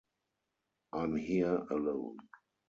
I’m here alone.